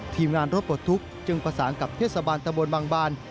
ทีมงานรถปลดทุกข์จึงประสานกับเทศบาลตะบนบางบาน